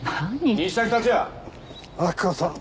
・西崎竜也！明子さん